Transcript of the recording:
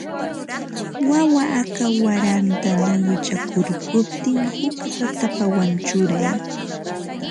Wawa aka waranta nuyuchakurquptin huk ratapawan churay